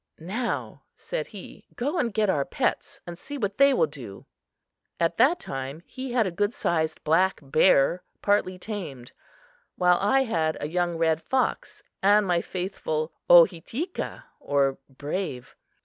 "Now," said he, "go and get our pets and see what they will do." At that time he had a good sized black bear partly tamed, while I had a young red fox and my faithful Ohitika or Brave.